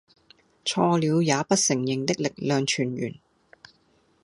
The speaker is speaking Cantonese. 錯了也不承認的力量泉源